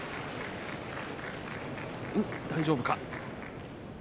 大丈夫か。